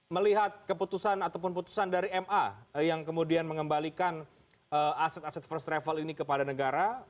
melihat keputusan ataupun putusan dari ma yang kemudian mengembalikan aset aset first travel ini kepada negara